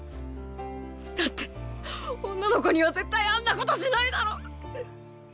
だって女の子には絶対あんなことしないだろ！